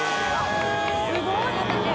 すごい畑。